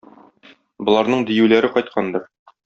Боларның диюләре кайткандыр.